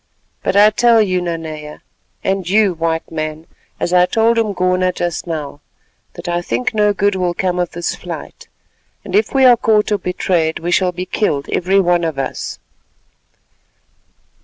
But I tell you, Nanea, and you, White Man, as I told Umgona just now, that I think no good will come of this flight, and if we are caught or betrayed, we shall be killed every one of us."